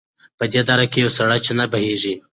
په دې دره کې یوه سړه چینه بهېږي.